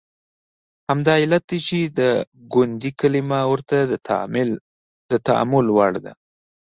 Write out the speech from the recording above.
همدا علت دی چې د ګوندي کلمه ورته د تامل وړ ده.